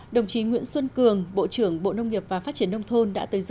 đồng chí nguyễn xuân cường bộ trưởng bộ nông nghiệp và phát triển nông thôn đã tới dự